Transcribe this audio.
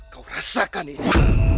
kau rasakan ini